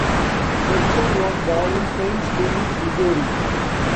Fletcher was born in Saint Louis, Missouri.